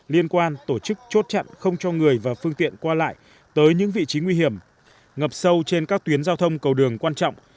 liên quan tổ chức chốt chặn không cho người và phương tiện qua lại tới những vị trí nguy hiểm ngập sâu trên các tuyến giao thông cầu đường quan trọng